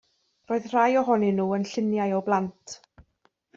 Roedd rhai ohonyn nhw yn lluniau o blant.